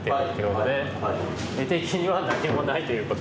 画的には何もないということ。